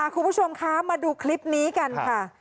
คุณผู้ชมคะมาดูคลิปนี้กันค่ะ